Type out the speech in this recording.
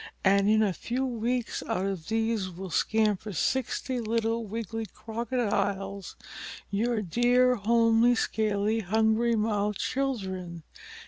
And in a few weeks out of these will scamper sixty little wiggly Crocodiles, your dear, homely, scaly, hungry mouthed children.